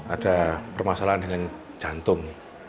ada permasalahan dengan jantung